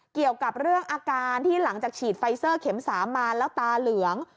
เกี่ยวกับเรื่องอาการที่หลังจากฉีดไฟเซอร์เข็ม๓มาแล้วตาเหลือง